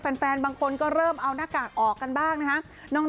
แฟนบางคนก็เริ่มเอาหน้ากากออกกันบ้างนะฮะ